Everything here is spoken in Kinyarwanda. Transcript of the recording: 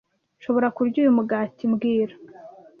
Nshobora kurya uyu mugati mbwira